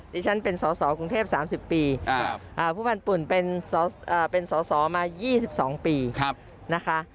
ดิฉันเป็นสอสอกรุงเทพ๓๐ปีผู้พันธ์ปุ่นเป็นสอสอมา๒๒ปีนะคะ